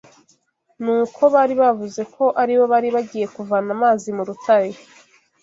Ni uko bari bavuze ko ari bo bari bagiye kuvana amazi mu rutare